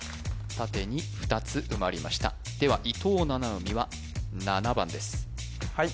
縦に２つ埋まりましたでは伊藤七海は７番ですはい